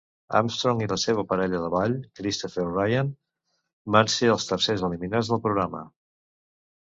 Armstrong i la seva parella de ball, Christopher Ryan, van ser els tercers eliminats del programa.